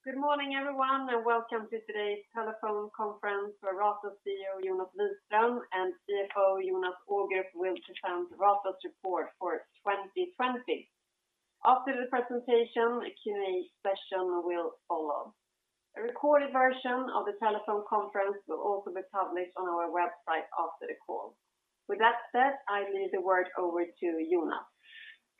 Good morning everyone, and welcome to today's telephone conference where Ratos CEO Jonas Wiström and CFO Jonas Ågrup will present Ratos report for 2020. After the presentation, a Q&A session will follow. A recorded version of the telephone conference will also be published on our website after the call. With that said, I leave the word over to Jonas.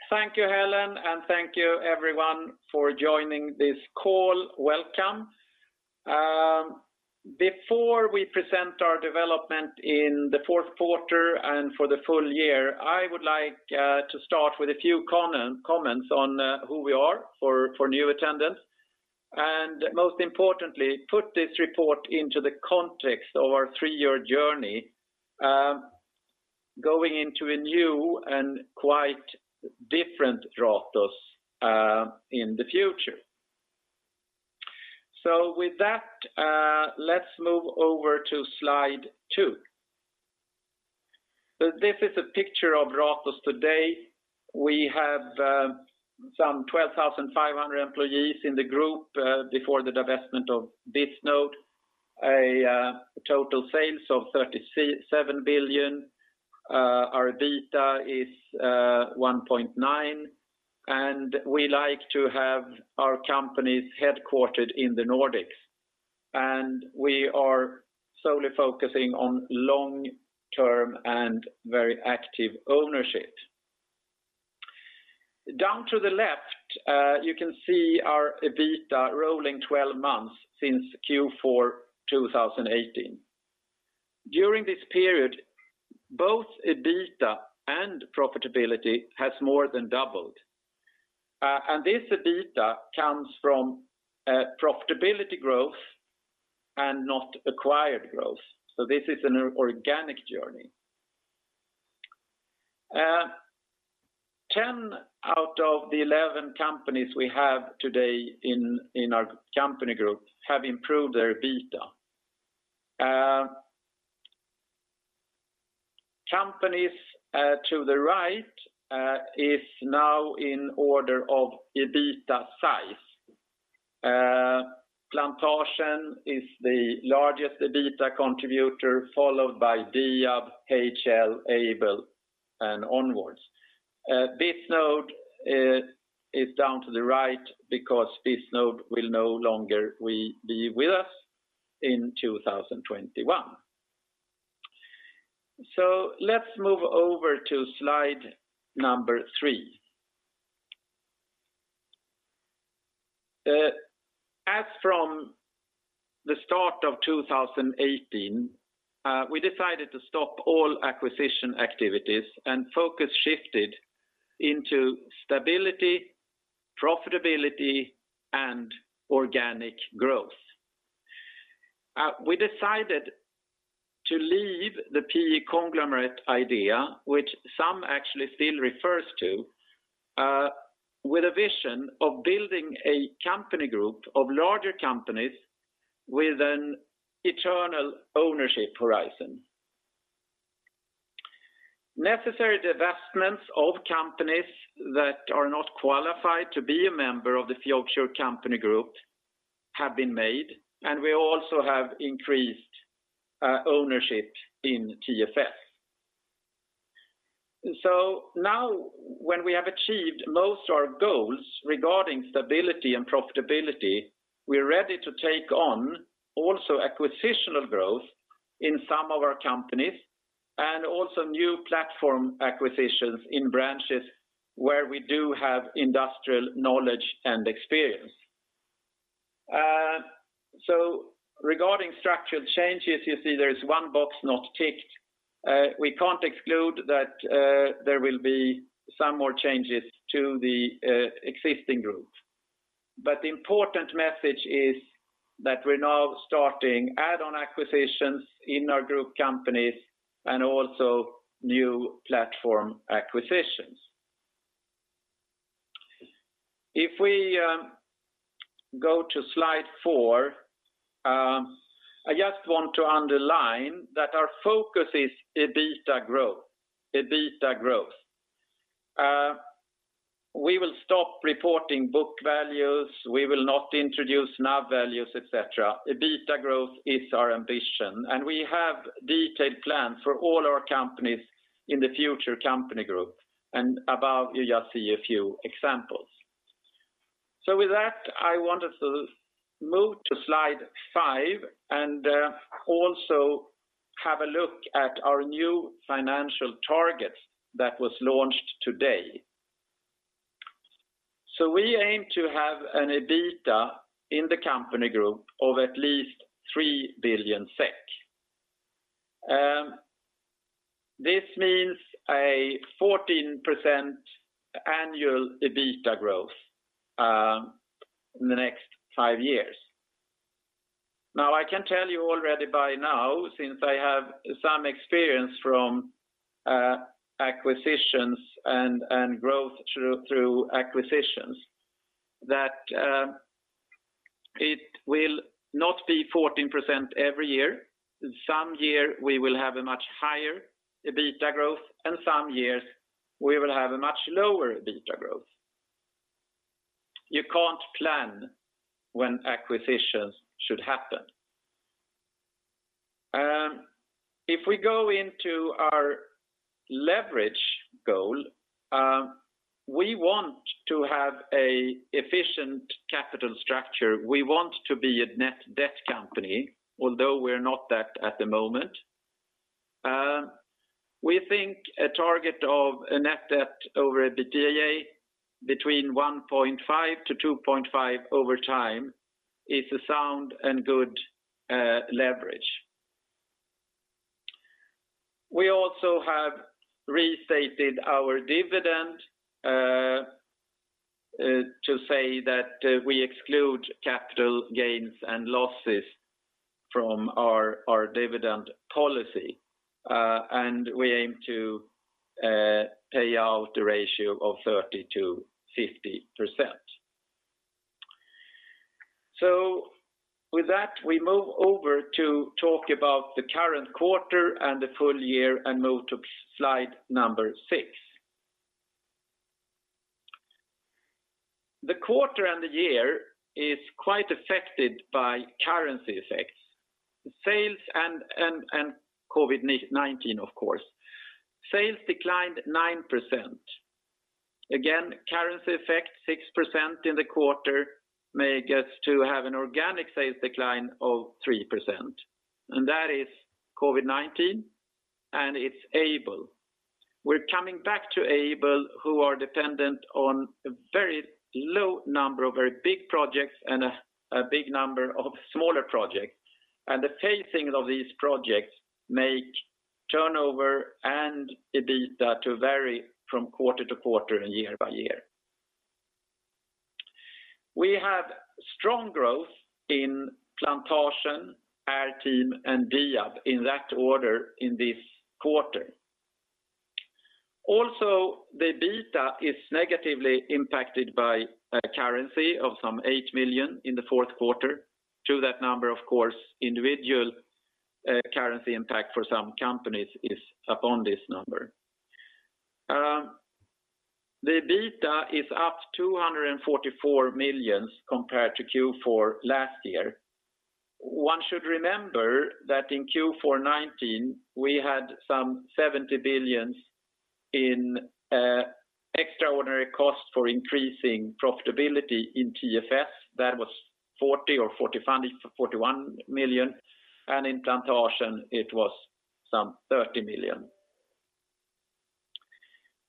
Thank you, Helene, and thank you everyone for joining this call. Welcome. Before we present our development in the fourth quarter and for the full year, I would like to start with a few comments on who we are for new attendance, and most importantly, put this report into the context of our three-year journey, going into a new and quite different Ratos in the future. With that, let's move over to slide two. This is a picture of Ratos today. We have some 12,500 employees in the group before the divestment of Bisnode. A total sales of 37 billion. Our EBITDA is 1.9 billion, and we like to have our companies headquartered in the Nordics. We are solely focusing on long-term and very active ownership. Down to the left, you can see our EBITDA rolling 12 months since Q4 2018. During this period, both EBITDA and profitability has more than doubled. This EBITDA comes from profitability growth and not acquired growth. This is an organic journey. 10 out of the 11 companies we have today in our company group have improved their EBITDA. Companies to the right is now in order of EBITDA size. Plantasjen is the largest EBITDA contributor, followed by Diab, HL, Aibel, and onwards. Bisnode is down to the right because Bisnode will no longer be with us in 2021. Let's move over to slide number three. As from the start of 2018, we decided to stop all acquisition activities and focus shifted into stability, profitability, and organic growth. We decided to leave the PE conglomerate idea, which some actually still refers to, with a vision of building a company group of larger companies with an eternal ownership horizon. Necessary divestments of companies that are not qualified to be a member of the future company group have been made, and we also have increased ownership in TFS. Now when we have achieved most of our goals regarding stability and profitability, we are ready to take on also acquisitional growth in some of our companies, and also new platform acquisitions in branches where we do have industrial knowledge and experience. Regarding structural changes, you see there is one box not ticked. We can't exclude that there will be some more changes to the existing group. The important message is that we're now starting add-on acquisitions in our group companies and also new platform acquisitions. If we go to slide four, I just want to underline that our focus is EBITDA growth. We will stop reporting book values, we will not introduce NAV values, et cetera. EBITDA growth is our ambition. We have detailed plans for all our companies in the future company group. Above you just see a few examples. With that, I wanted to move to slide five and also have a look at our new financial target that was launched today. We aim to have an EBITDA in the company group of at least 3 billion SEK. This means a 14% annual EBITDA growth in the next five years. I can tell you already by now, since I have some experience from acquisitions and growth through acquisitions, that it will not be 14% every year. Some year we will have a much higher EBITDA growth. Some years we will have a much lower EBITDA growth. You can't plan when acquisitions should happen. If we go into our leverage goal, we want to have an efficient capital structure. We want to be a net debt company, although we're not that at the moment. We think a target of a net debt over EBITDA between 1.5-2.5 over time is a sound and good leverage. We also have restated our dividend to say that we exclude capital gains and losses from our dividend policy. We aim to pay out a ratio of 30%-50%. With that, we move over to talk about the current quarter and the full year and move to slide number six. The quarter and the year is quite affected by currency effects and COVID-19, of course. Sales declined 9%. Again, currency effect 6% in the quarter make us to have an organic sales decline of 3%, and that is COVID-19, and it's Aibel. We're coming back to Aibel, who are dependent on a very low number of very big projects and a big number of smaller projects. The phasing of these projects make turnover and EBITDA to vary from quarter to quarter and year by year. We have strong growth in Plantasjen, airteam, and Diab, in that order, in this quarter. The EBITDA is negatively impacted by currency of some 8 million in the fourth quarter. To that number, of course, individual currency impact for some companies is upon this number. The EBITDA is up 244 million compared to Q4 last year. One should remember that in Q4 2019, we had some 70 million in extraordinary costs for increasing profitability in TFS. That was 40 million or 41 million, and in Plantasjen, it was some 30 million.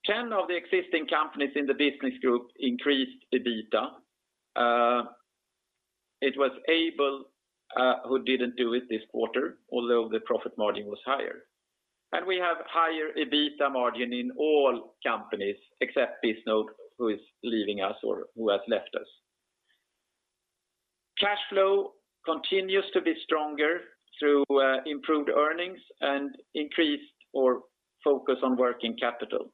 10 of the existing companies in the Business Group increased EBITDA. It was Aibel who didn't do it this quarter, although the profit margin was higher. We have higher EBITDA margin in all companies except Bisnode, who is leaving us or who has left us. Cash flow continues to be stronger through improved earnings and increased or focus on working capital.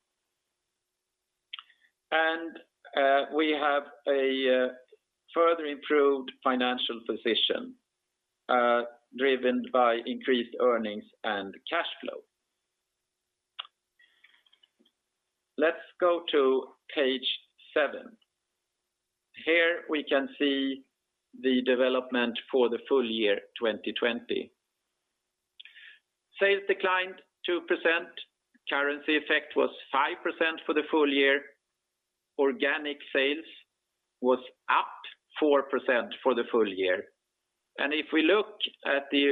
We have a further improved financial position driven by increased earnings and cash flow. Let's go to page seven. Here we can see the development for the full year 2020. Sales declined 2%. Currency effect was 5% for the full year. Organic sales was up 4% for the full year. If we look at the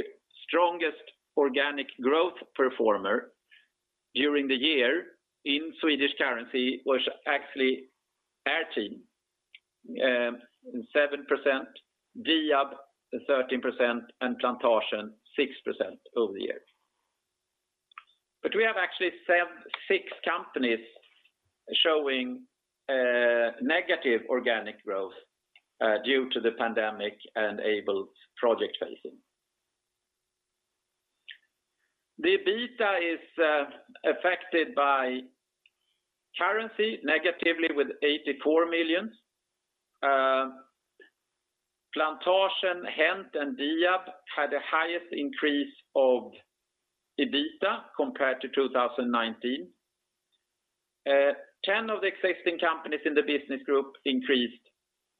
strongest organic growth performer during the year in Swedish currency was actually airteam, 7%, Diab, 13%, and Plantasjen, 6% over the year. We have actually six companies showing negative organic growth due to the pandemic and Aibel's project phasing. The EBITDA is affected by currency negatively with SEK 84 million. Plantasjen, HENT, and Diab had the highest increase of EBITDA compared to 2019. 10 of the existing companies in the Business Group increased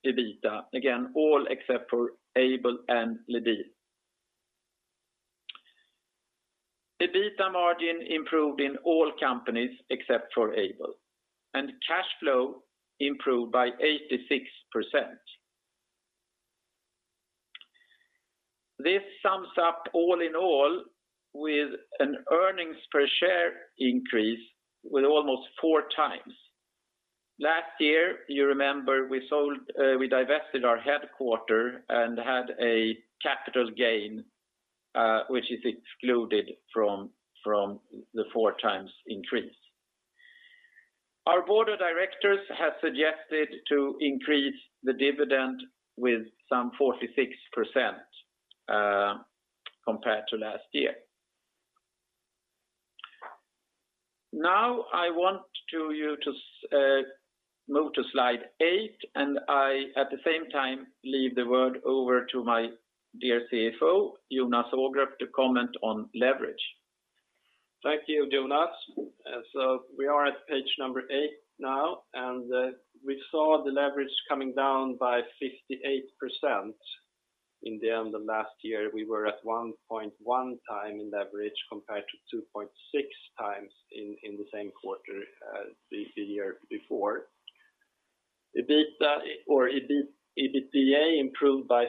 EBITDA. Again, all except for Aibel and LEDiL. EBITDA margin improved in all companies except for Aibel, and cash flow improved by 86%. This sums up all in all with an earnings per share increase with almost four times. Last year, you remember, we divested our headquarter and had a capital gain which is excluded from the four times increase. Our board of directors have suggested to increase the dividend with some 46% compared to last year. I want you to move to slide eight, and I at the same time leave the word over to my dear CFO, Jonas Ågrup, to comment on leverage. Thank you, Jonas. We are at page number eight now. We saw the leverage coming down by 58% in the end of last year. We were at 1.1x in leverage compared to 2.6x in the same quarter as the year before. EBITDA improved by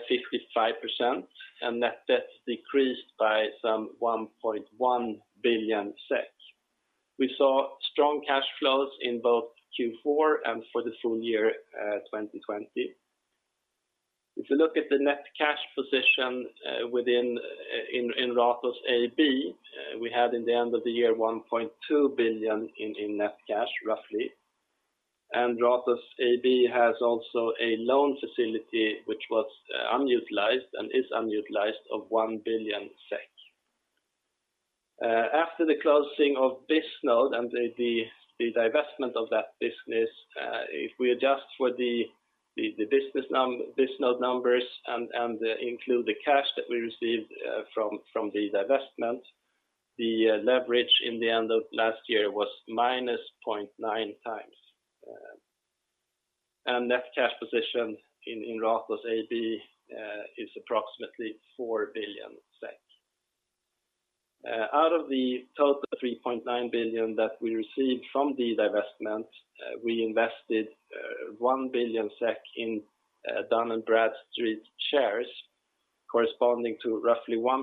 55%. Net debt decreased by some 1.1 billion SEK. We saw strong cash flows in both Q4 and for the full year 2020. If you look at the net cash position in Ratos AB, we had in the end of the year 1.2 billion in net cash, roughly. Ratos AB has also a loan facility, which was unutilized and is unutilized of 1 billion SEK. After the closing of Bisnode and the divestment of that business, if we adjust for the Bisnode numbers and include the cash that we received from the divestment, the leverage in the end of last year was -0.9x. Net cash position in Ratos AB is approximately 4 billion SEK. Out of the total 3.9 billion that we received from the divestment, we invested 1 billion SEK in Dun & Bradstreet shares, corresponding to roughly 1%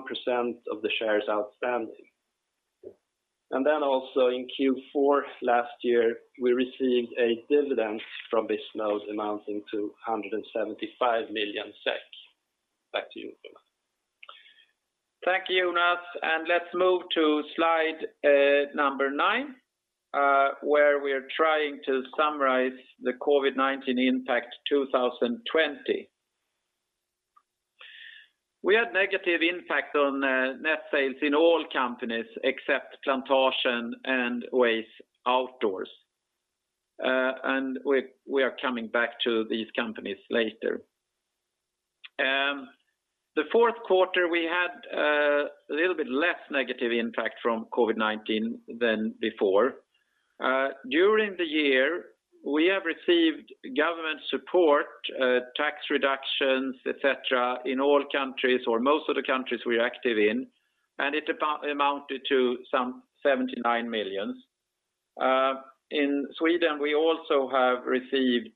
of the shares outstanding. Also in Q4 last year, we received a dividend from Bisnode amounting to 175 million SEK. Back to you, Jonas. Thank you, Jonas. Let's move to slide number nine, where we're trying to summarize the COVID-19 impact 2020. We had negative impact on net sales in all companies except Plantasjen and Oase Outdoors. We are coming back to these companies later. The fourth quarter, we had a little bit less negative impact from COVID-19 than before. During the year, we have received government support, tax reductions, et cetera, in all countries or most of the countries we are active in, and it amounted to some 79 million. In Sweden, we also have received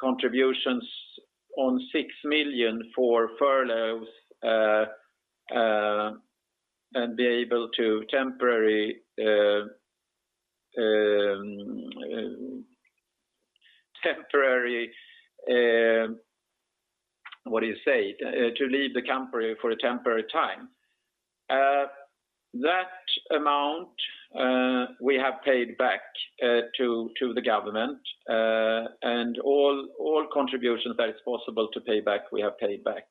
contributions on 6 million for furloughs and be able to leave the company for a temporary time. That amount we have paid back to the government. All contributions that is possible to pay back, we have paid back.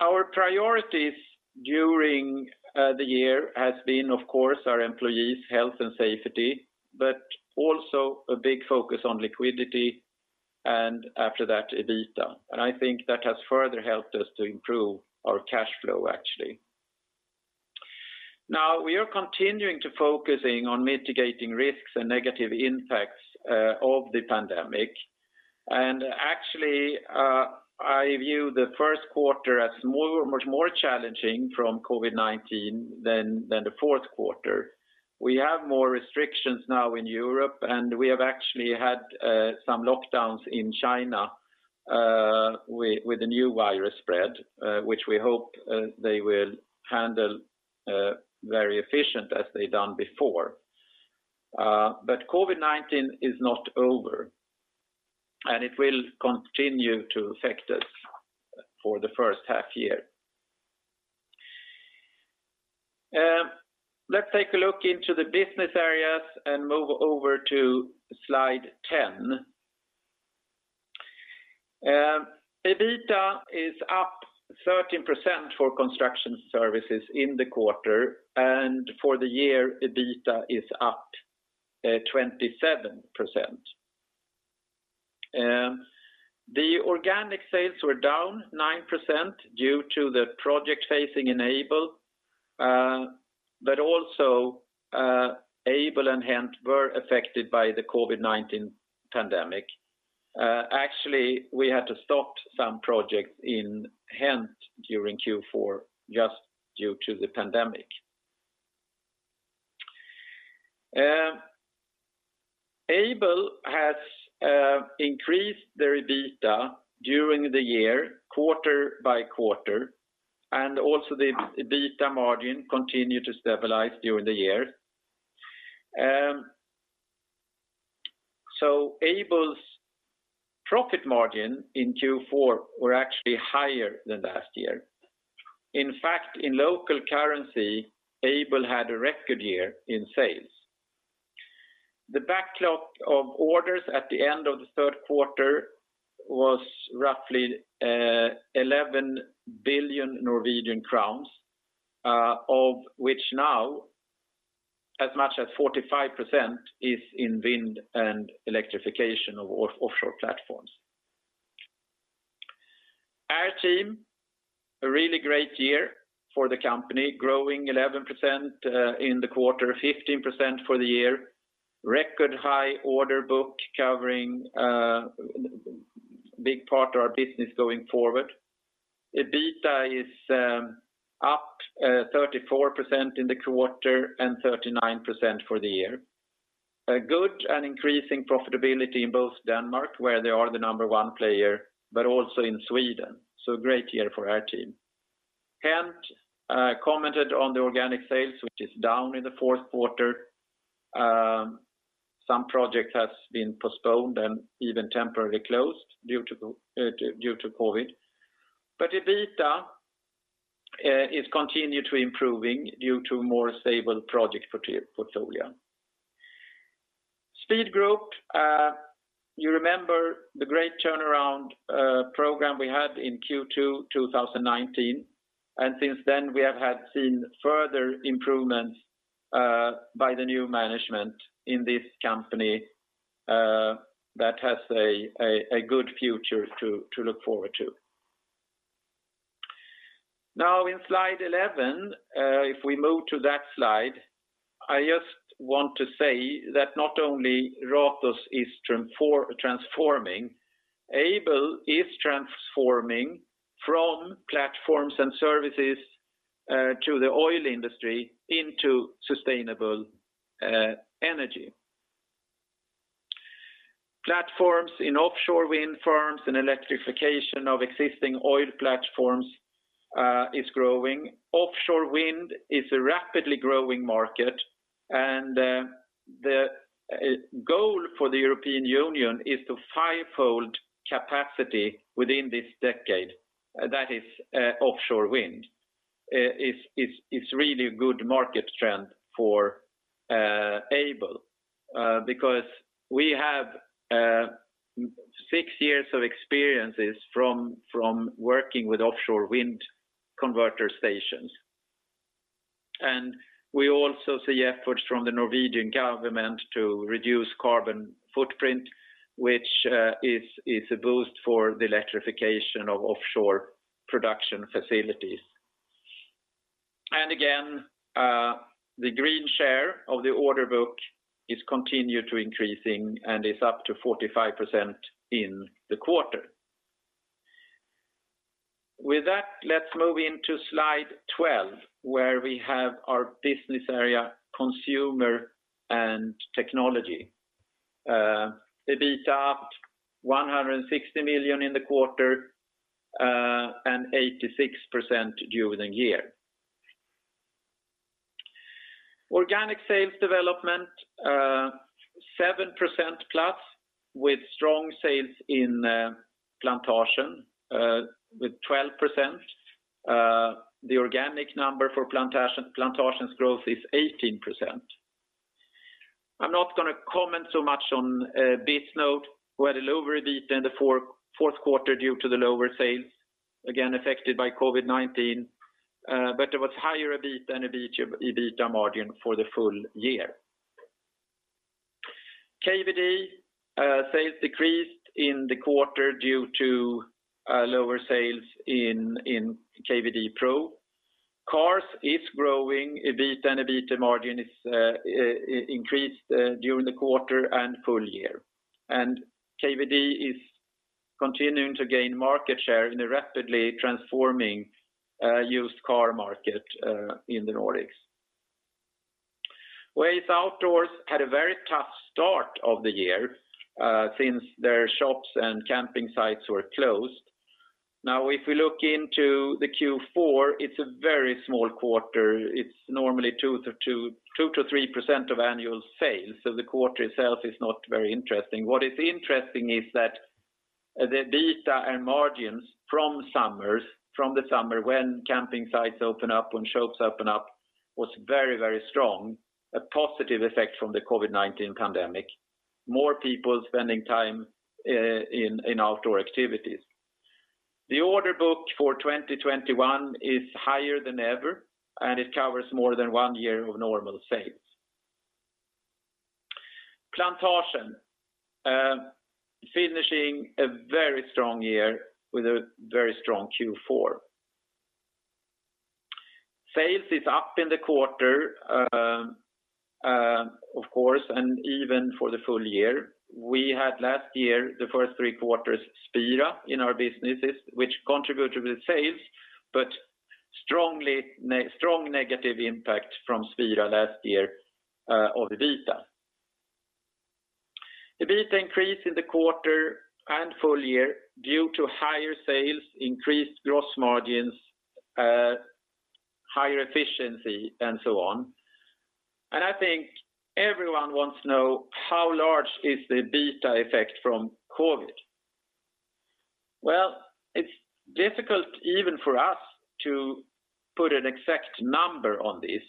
Our priorities during the year has been, of course, our employees' health and safety, but also a big focus on liquidity and after that, EBITDA. I think that has further helped us to improve our cash flow, actually. Now, we are continuing to focusing on mitigating risks and negative impacts of the pandemic. Actually, I view the first quarter as much more challenging from COVID-19 than the fourth quarter. We have more restrictions now in Europe, and we have actually had some lockdowns in China with the new virus spread, which we hope they will handle very efficient as they've done before. COVID-19 is not over, and it will continue to affect us for the first half year. Let's take a look into the business areas and move over to slide 10. EBITDA is up 13% for construction services in the quarter, for the year, EBITDA is up 27%. The organic sales were down 9% due to the project phasing in Aibel, also Aibel and HENT were affected by the COVID-19 pandemic. We had to stop some projects in HENT during Q4 just due to the pandemic. Aibel has increased their EBITDA during the year, quarter-by-quarter, also the EBITDA margin continued to stabilize during the year. Aibel's profit margin in Q4 were actually higher than last year. In fact, in local currency, Aibel had a record year in sales. The backlog of orders at the end of the third quarter was roughly 11 billion Norwegian crowns, of which now as much as 45% is in wind and electrification of offshore platforms. Airteam, a really great year for the company, growing 11% in the quarter, 15% for the year, record high order book covering a big part of our business going forward. EBITDA is up 34% in the quarter and 39% for the year. A good and increasing profitability in both Denmark, where they are the number one player, but also in Sweden. Great year for airteam. HENT commented on the organic sales, which is down in the fourth quarter. Some project has been postponed and even temporarily closed due to COVID. EBITDA is continued to improving due to more stable project portfolio. Speed Group, you remember the great turnaround program we had in Q2 2019, and since then, we have seen further improvements by the new management in this company that has a good future to look forward to. Now in slide 11, if we move to that slide, I just want to say that not only Ratos is transforming, Aibel is transforming from platforms and services to the oil industry into sustainable energy. Platforms in offshore wind farms and electrification of existing oil platforms is growing. Offshore wind is a rapidly growing market, the goal for the European Union is to fivefold capacity within this decade. That is offshore wind. It's really a good market trend for Aibel because we have six years of experiences from working with offshore wind converter stations. We also see efforts from the Norwegian government to reduce carbon footprint, which is a boost for the electrification of offshore production facilities. Again, the green share of the order book is continued to increasing and is up to 45% in the quarter. Let's move into slide 12, where we have our business area, consumer and technology. EBITDA up 160 million in the quarter, 86% during the year. Organic sales development, 7%+ with strong sales in Plantasjen with 12%. The organic number for Plantasjen's growth is 18%. I'm not going to comment so much on Bisnode, who had a lower EBITDA in the fourth quarter due to the lower sales, again affected by COVID-19. There was higher EBIT and EBITDA margin for the full year. KVD sales decreased in the quarter due to lower sales in Kvdpro. Cars is growing. EBIT and EBITDA margin increased during the quarter and full year. KVD is continuing to gain market share in the rapidly transforming used car market in the Nordics. Oase Outdoors had a very tough start of the year since their shops and camping sites were closed. If we look into the Q4, it's a very small quarter. It's normally 2%-3% of annual sales, the quarter itself is not very interesting. What is interesting is that the EBITDA and margins from the summer when camping sites open up and shops open up was very strong, a positive effect from the COVID-19 pandemic. More people spending time in outdoor activities. The order book for 2021 is higher than ever, and it covers more than one year of normal sales. Plantasjen finishing a very strong year with a very strong Q4. Sales is up in the quarter, of course, and even for the full year. We had last year, the first three quarters, Spira in our businesses, which contributed with sales, but strong negative impact from Spira last year of EBITDA. EBITDA increase in the quarter and full year due to higher sales, increased gross margins, higher efficiency, and so on. I think everyone wants to know how large is the EBITDA effect from COVID-19. It's difficult even for us to put an exact number on this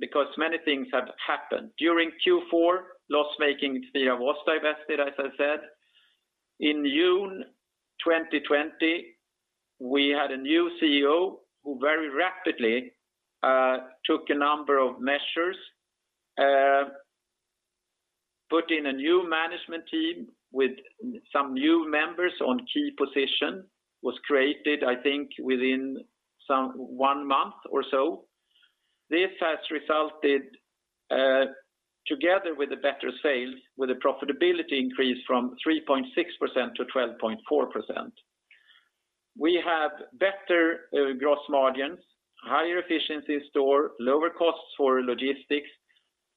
because many things have happened. During Q4, loss-making [Xeria] was divested, as I said. In June 2020, we had a new CEO who very rapidly took a number of measures, put in a new management team with some new members on key position, was created, I think, within one month or so. This has resulted, together with the better sales, with a profitability increase from 3.6%-12.4%. We have better gross margins, higher efficiency in store, lower costs for logistics,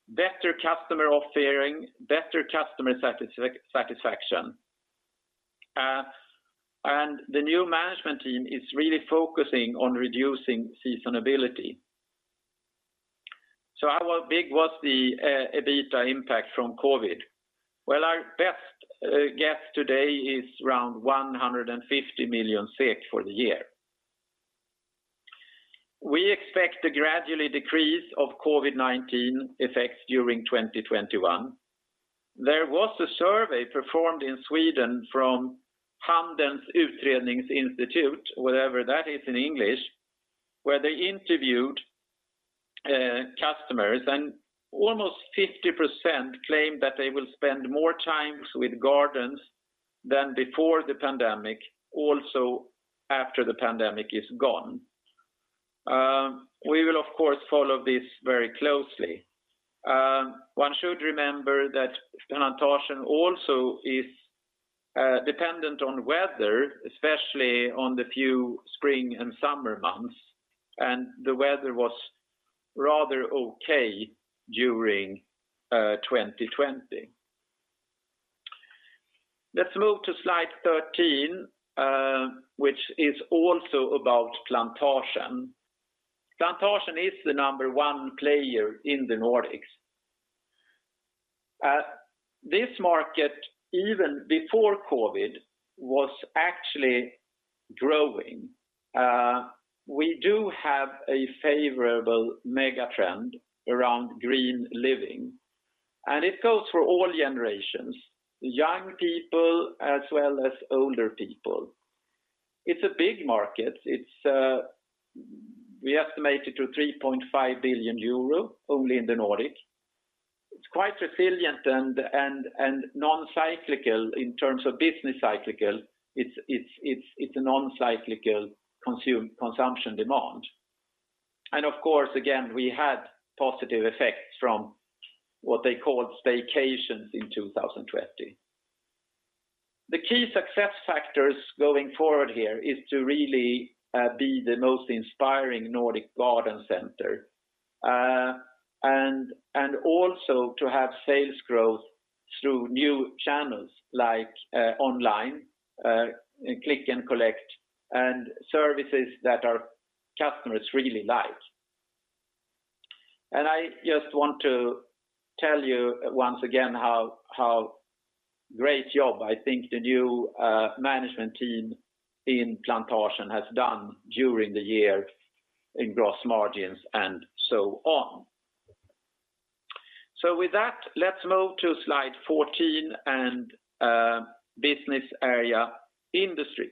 better customer offering, better customer satisfaction. The new management team is really focusing on reducing seasonality. How big was the EBITDA impact from COVID? Our best guess today is around 150 million SEK for the year. We expect a gradual decrease of COVID-19 effects during 2021. There was a survey performed in Sweden from Handelns Utredningsinstitut, whatever that is in English, where they interviewed customers, and almost 50% claimed that they will spend more time with gardens than before the pandemic, also after the pandemic is gone. We will, of course, follow this very closely. One should remember that Plantasjen also is dependent on weather, especially on the few spring and summer months, and the weather was rather okay during 2020. Let's move to slide 13, which is also about Plantasjen. Plantasjen is the number one player in the Nordics. This market, even before COVID, was actually growing. We do have a favorable mega-trend around green living, and it goes for all generations, young people as well as older people. It's a big market. We estimate it to 3.5 billion euro only in the Nordics. It's quite resilient and non-cyclical in terms of business cyclical. It's a non-cyclical consumption demand. Of course, again, we had positive effects from what they called staycations in 2020. The key success factors going forward here is to really be the most inspiring Nordic garden center, and also to have sales growth through new channels like online, click and collect, and services that our customers really like. I just want to tell you once again how great job I think the new management team in Plantasjen has done during the year in gross margins and so on. With that, let's move to slide 14 and business area Industry.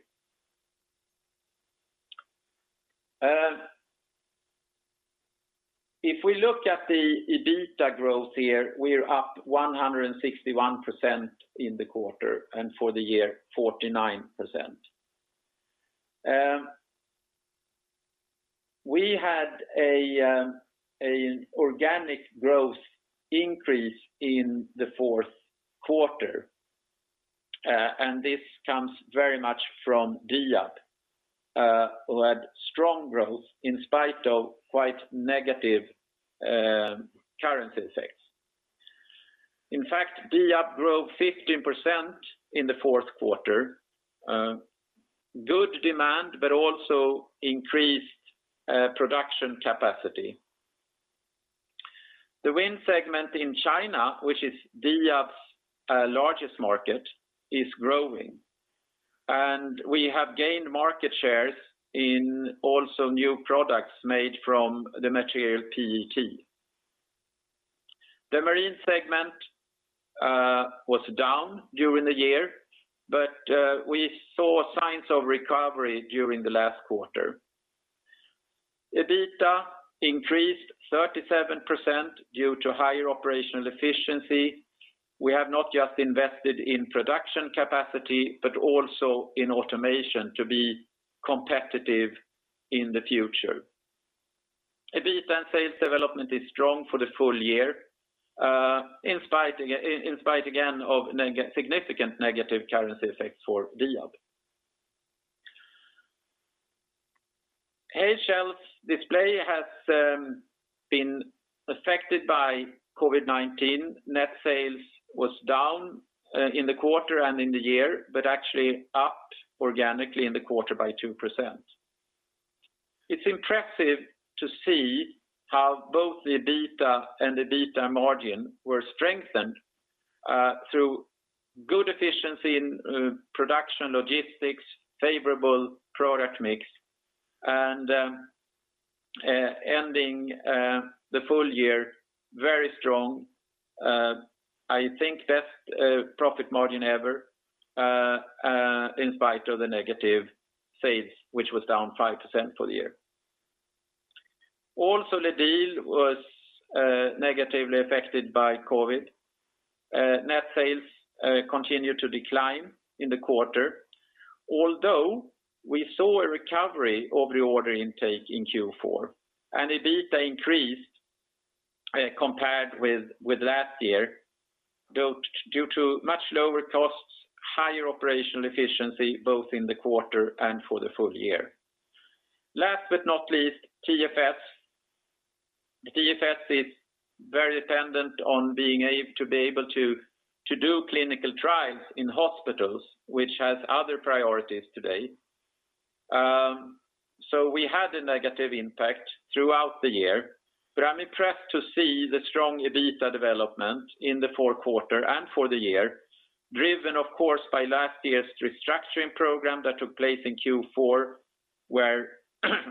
If we look at the EBITDA growth here, we're up 161% in the quarter and for the year, 49%. We had an organic growth increase in the fourth quarter, and this comes very much from Diab, who had strong growth in spite of quite negative currency effects. In fact, Diab grew 15% in the fourth quarter. Good demand, also increased production capacity. The wind segment in China, which is Diab's largest market, is growing, and we have gained market shares in also new products made from the material PET. The marine segment was down during the year, we saw signs of recovery during the last quarter. EBITDA increased 37% due to higher operational efficiency. We have not just invested in production capacity, but also in automation to be competitive in the future. EBITDA and sales development is strong for the full year, in spite again of significant negative currency effects for Diab. HL Display has been affected by COVID-19. Net sales was down in the quarter and in the year, but actually up organically in the quarter by 2%. It's impressive to see how both the EBITDA and the EBITDA margin were strengthened through good efficiency in production, logistics, favorable product mix, and ending the full year very strong. I think best profit margin ever in spite of the negative sales, which was down 5% for the year. Diab was negatively affected by COVID-19. Net sales continued to decline in the quarter, although we saw a recovery of the order intake in Q4. EBITDA increased compared with last year due to much lower costs, higher operational efficiency, both in the quarter and for the full year. Last not least, TFS. TFS is very dependent on being able to do clinical trials in hospitals, which have other priorities today. We had a negative impact throughout the year, but I'm impressed to see the strong EBITDA development in the fourth quarter and for the year, driven of course by last year's restructuring program that took place in Q4, where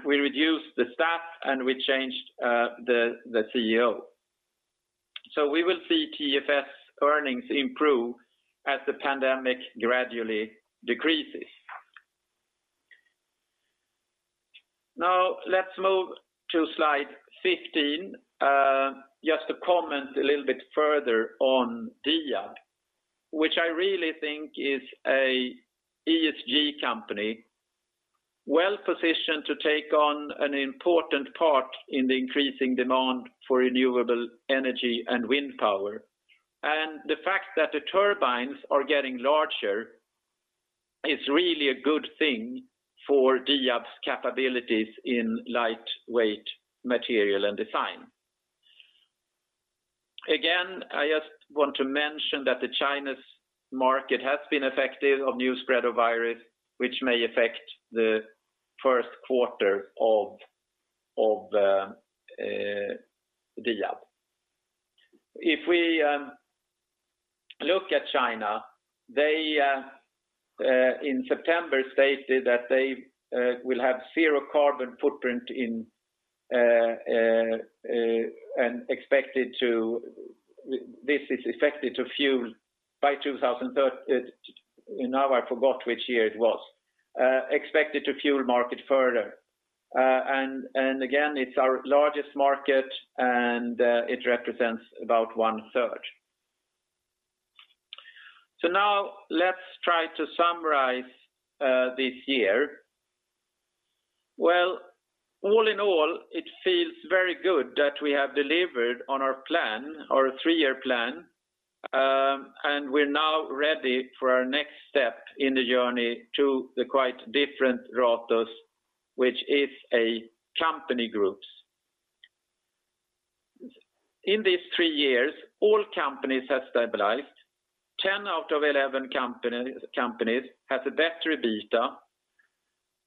we reduced the staff and we changed the CEO. We will see TFS earnings improve as the pandemic gradually decreases. Let's move to slide 15. Just to comment a little bit further on Diab, which I really think is a ESG company, well-positioned to take on an important part in the increasing demand for renewable energy and wind power. The fact that the turbines are getting larger is really a good thing for Diab's capabilities in lightweight material and design. Again, I just want to mention that the Chinese market has been affected of new spread of virus, which may affect the first quarter of Diab. If we look at China, they in September stated that they will have zero carbon footprint. Now I forgot which year it was. Expected to fuel market further. Again, it is our largest market, and it represents about one third. Now let's try to summarize this year. Well, all in all, it feels very good that we have delivered on our three-year plan. We are now ready for our next step in the journey to the quite different Ratos, which is a company group. In these three years, all companies have stabilized. 10 out of 11 companies have a better EBITDA.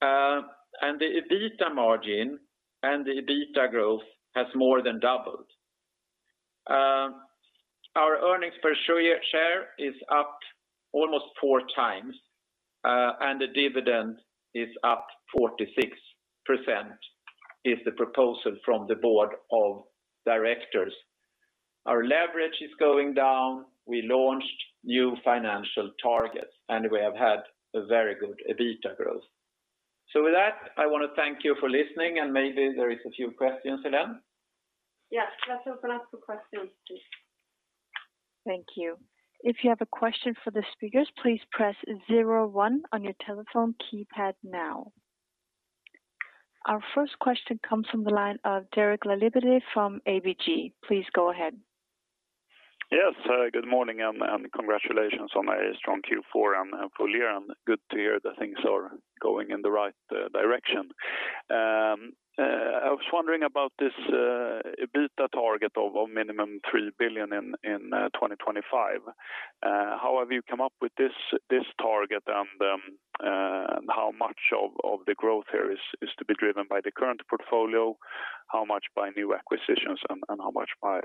The EBITDA margin and the EBITDA growth has more than doubled. Our earnings per share is up almost four times, and the dividend is up 46%, is the proposal from the board of directors. Our leverage is going down. We launched new financial targets, and we have had a very good EBITDA growth. With that, I want to thank you for listening, and maybe there is a few questions, Helene? Yes, let's open up for questions, please. Thank you. If you have a question for the speakers, please press 01 on your telephone keypad now. Our first question comes from the line of Derek Laliberté from ABG. Please go ahead. Yes, good morning. Congratulations on a strong Q4 and full year. Good to hear that things are going in the right direction. I was wondering about this EBITDA target of minimum 3 billion in 2025. How have you come up with this target? How much of the growth here is to be driven by the current portfolio? How much by new acquisitions and how much by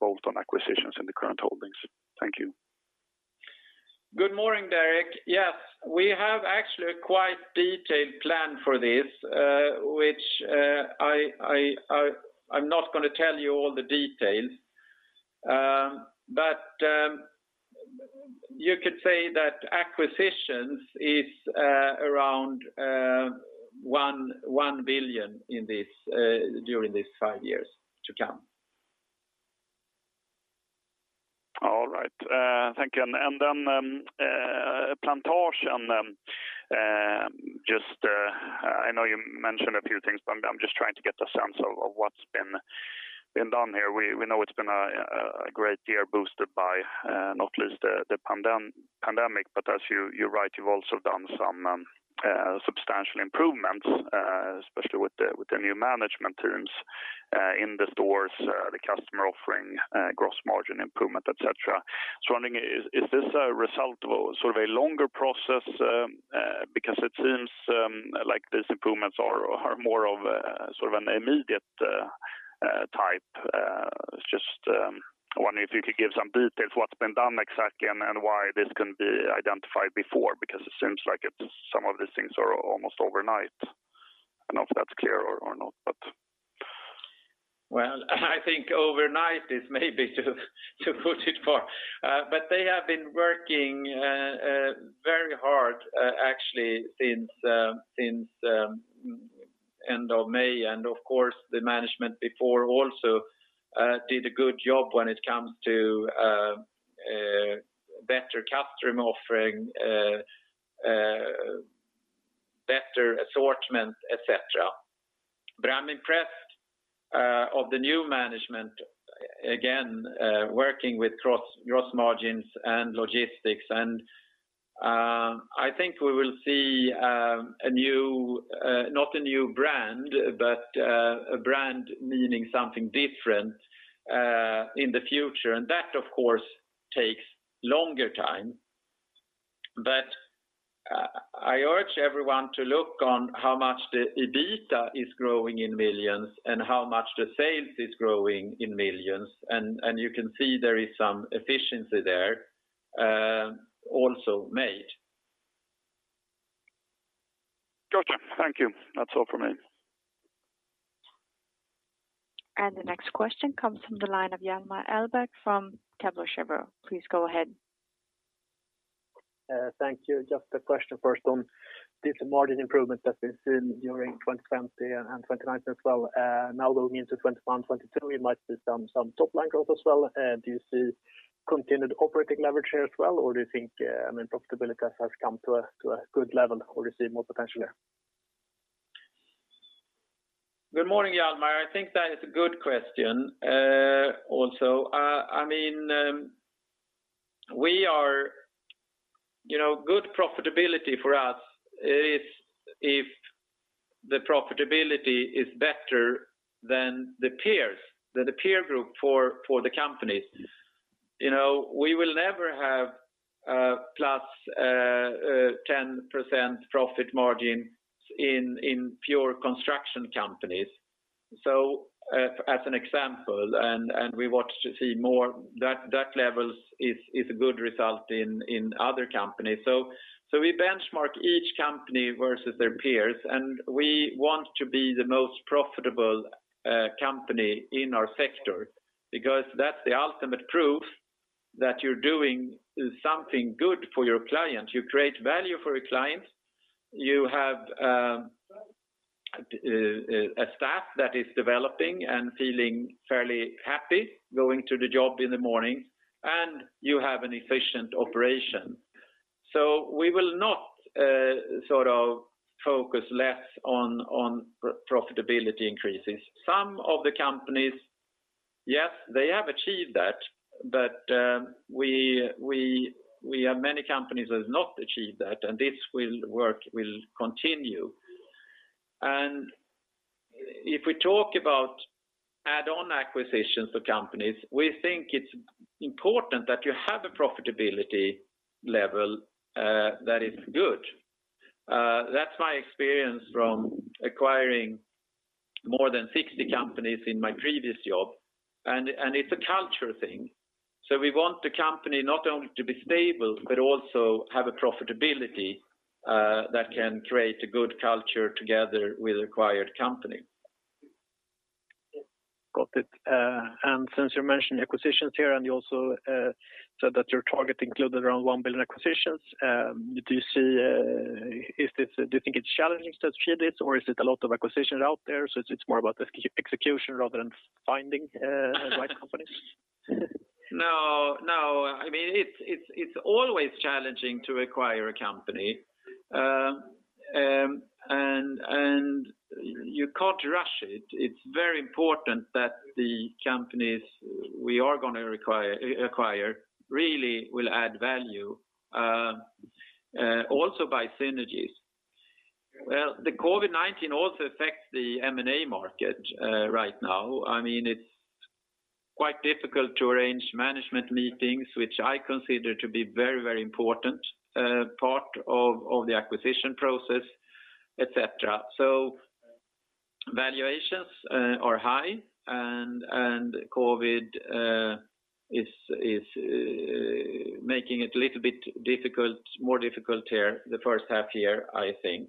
bolt-on acquisitions in the current holdings? Thank you. Good morning, Derek. Yes, we have actually a quite detailed plan for this, which I'm not going to tell you all the details. You could say that acquisitions is around 1 billion during these five years to come. All right. Thank you. Plantasjen, I know you mentioned a few things, but I'm just trying to get a sense of what's been done here. We know it's been a great year boosted by not least the pandemic, but as you're right, you've also done some substantial improvements, especially with the new management teams. In the stores, the customer offering gross margin improvement, et cetera. I'm wondering, is this a result of a longer process? Because it seems like these improvements are more of an immediate type. I was just wondering if you could give some details, what's been done exactly and why this couldn't be identified before, because it seems like some of these things are almost overnight. I don't know if that's clear or not. Well, I think overnight is maybe to put it far. They have been working very hard, actually, since end of May. Of course, the management before also did a good job when it comes to better customer offering, better assortment, et cetera. I'm impressed of the new management, again, working with gross margins and logistics. I think we will see not a new brand, but a brand meaning something different in the future. That, of course, takes longer time. I urge everyone to look on how much the EBITDA is growing in millions and how much the sales is growing in millions. You can see there is some efficiency there also made. Got you. Thank you. That's all from me. The next question comes from the line of Hjalmar Ahlberg from Kepler Cheuvreux. Please go ahead. Thank you. Just a question first on this margin improvement that we've seen during 2020 and 2021 as well. Going into 2021/22, we might see some top line growth as well. Do you see continued operating leverage here as well, or do you think profitability has come to a good level, or you see more potential there? Good morning, Hjalmar. I think that is a good question also. Good profitability for us is if the profitability is better than the peers, than the peer group for the companies. We will never have plus 10% profit margin in pure construction companies. As an example, and we watch to see more, that level is a good result in other companies. We benchmark each company versus their peers, and we want to be the most profitable company in our sector because that's the ultimate proof that you're doing something good for your client. You create value for your client, you have a staff that is developing and feeling fairly happy going to the job in the morning, and you have an efficient operation. We will not focus less on profitability increases. Some of the companies, yes, they have achieved that, but we have many companies that have not achieved that, and this work will continue. If we talk about add-on acquisitions for companies, we think it's important that you have a profitability level that is good. That's my experience from acquiring more than 60 companies in my previous job, and it's a culture thing. We want the company not only to be stable, but also have a profitability that can create a good culture together with acquired company. Got it. Since you mentioned acquisitions here, and you also said that your target included around 1 billion acquisitions, do you think it's challenging to achieve this, or is it a lot of acquisitions out there, so it's more about execution rather than finding the right companies? No. It's always challenging to acquire a company. You can't rush it. It's very important that the companies we are going to acquire really will add value also by synergies. Well, the COVID-19 also affects the M&A market right now. It's quite difficult to arrange management meetings, which I consider to be very important part of the acquisition process, et cetera. Valuations are high, and COVID is making it a little bit more difficult here the first half year, I think.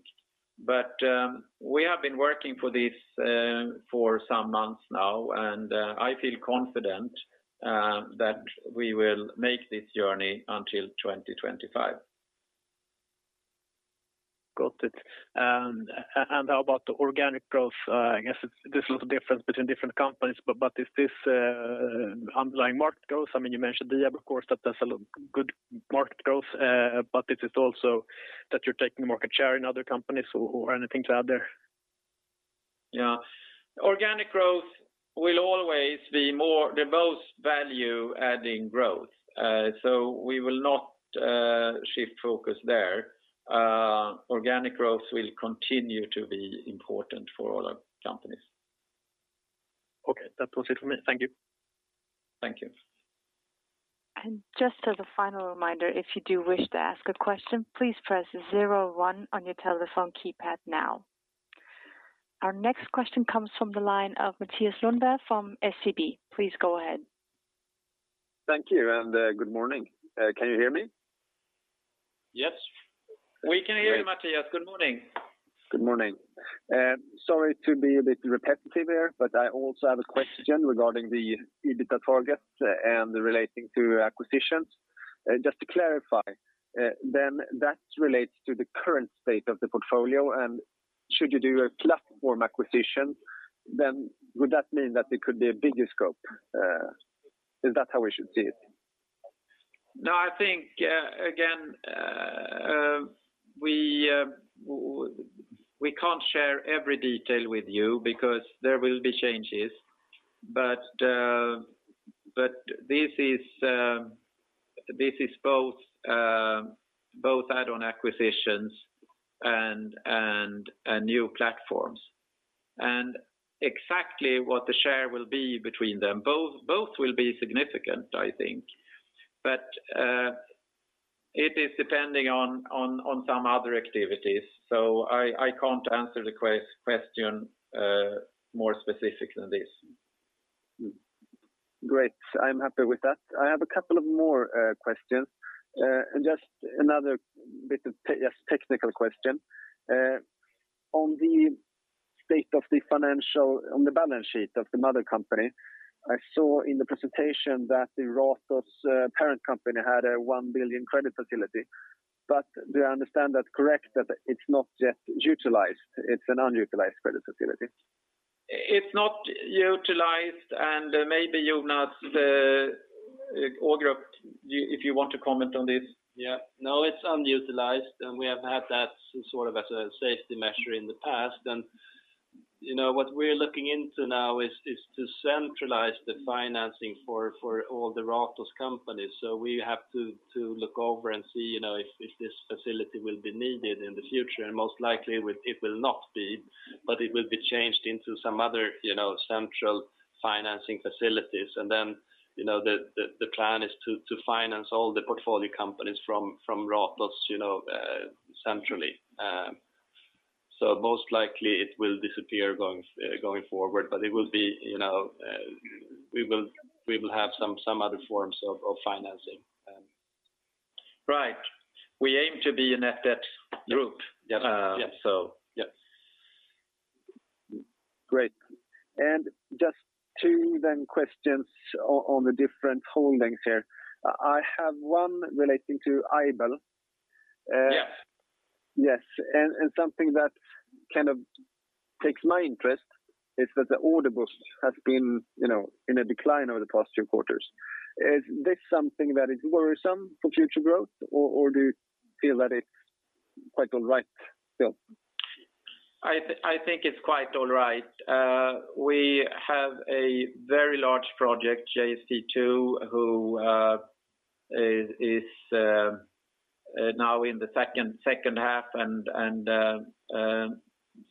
We have been working for this for some months now, and I feel confident that we will make this journey until 2025. Got it. How about the organic growth? I guess there is a lot of difference between different companies, but is this underlying market growth? You mentioned Diab, of course, that there is a good market growth, but is it also that you are taking market share in other companies or anything to add there? Yeah. Organic growth will always be the most value-adding growth. We will not shift focus there. Organic growth will continue to be important for all our companies. Okay. That was it for me. Thank you. Thank you. Just as a final reminder, if you do wish to ask a question, please press 01 on your telephone keypad now. Our next question comes from the line of Mathias Lundberg from SEB. Please go ahead. Thank you. Good morning. Can you hear me? Yes. We can hear you, Mathias. Good morning. Good morning. Sorry to be a bit repetitive here, I also have a question regarding the EBITDA target and relating to acquisitions. Just to clarify, that relates to the current state of the portfolio, and should you do a platform acquisition, would that mean that it could be a bigger scope? Is that how we should see it? I think, again, we can't share every detail with you because there will be changes. This is both add-on acquisitions and new platforms. Exactly what the share will be between them, both will be significant, I think. It is depending on some other activities, so I can't answer the question more specific than this. Great. I am happy with that. I have a couple of more questions. Another technical question. On the state of the balance sheet of the mother company, I saw in the presentation that the Ratos parent company had a 1 billion credit facility, do I understand that correct, that it is not yet utilized, it is an unutilized credit facility? It's not utilized, and maybe Jonas Ågrup, if you want to comment on this. Yeah. No, it's unutilized, we have had that sort of as a safety measure in the past. What we're looking into now is to centralize the financing for all the Ratos companies. We have to look over and see if this facility will be needed in the future. Most likely it will not be, but it will be changed into some other central financing facilities. The plan is to finance all the portfolio companies from Ratos centrally. Most likely it will disappear going forward, but we will have some other forms of financing. Right. We aim to be a net debt group. Yes. So Yes. Great. Just two, then, questions on the different holdings here. I have one relating to Aibel. Yes. Yes, something that kind of picks my interest is that the order book has been in a decline over the past two quarters. Is this something that is worrisome for future growth, or do you feel that it's quite all right still? I think it's quite all right. We have a very large project, JSP2, who is now in the second half, and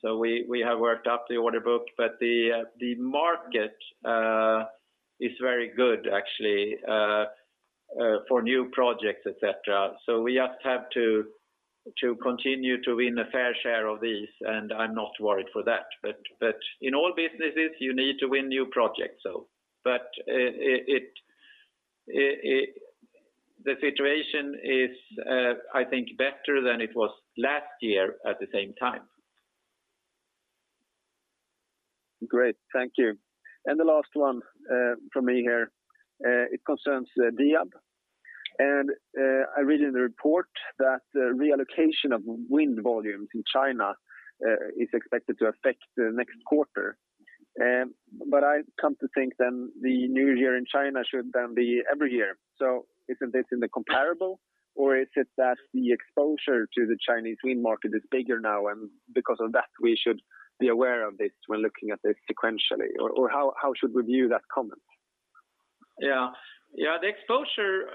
so we have worked up the order book. The market is very good, actually, for new projects, et cetera. We just have to continue to win a fair share of these, and I'm not worried for that. In all businesses, you need to win new projects. The situation is, I think, better than it was last year at the same time. Great. Thank you. The last one from me here, it concerns Diab. I read in the report that the reallocation of wind volumes in China is expected to affect the next quarter. I come to think then the New Year in China should then be every year. Isn't this in the comparable, or is it that the exposure to the Chinese wind market is bigger now, and because of that, we should be aware of this when looking at this sequentially? How should we view that comment? Yeah. The exposure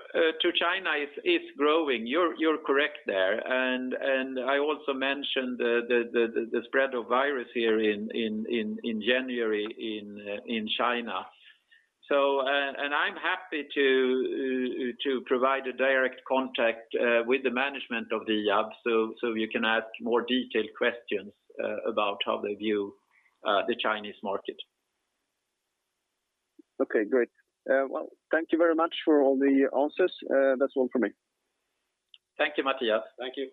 to China is growing. You're correct there. I also mentioned the spread of virus here in January in China. I'm happy to provide a direct contact with the management of Diab so you can ask more detailed questions about how they view the Chinese market. Okay, great. Well, thank you very much for all the answers. That's all from me. Thank you, Mathias. Thank you.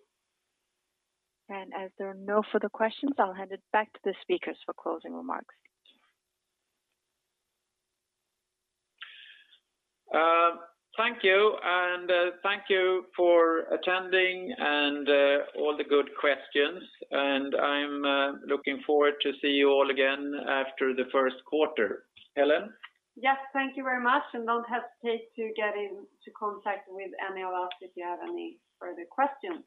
As there are no further questions, I'll hand it back to the speakers for closing remarks. Thank you, and thank you for attending and all the good questions. I'm looking forward to see you all again after the first quarter. Helene? Yes, thank you very much, and don't hesitate to get into contact with any of us if you have any further questions.